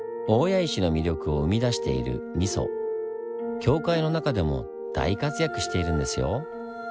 教会の中でも大活躍しているんですよ。